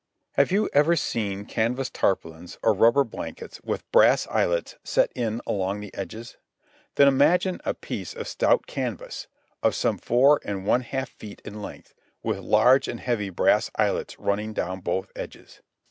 Have you ever seen canvas tarpaulins or rubber blankets with brass eyelets set in along the edges? Then imagine a piece of stout canvas, some four and one half feet in length, with large and heavy brass eyelets running down both edges.